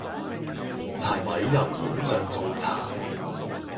柴米油鹽醬醋茶